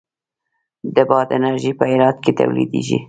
د باد انرژي په هرات کې تولیدیږي